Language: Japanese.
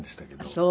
そう。